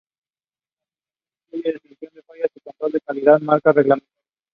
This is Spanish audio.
Las aplicaciones incluyen detección de fallas y control de calidad de marcas reglamentarias.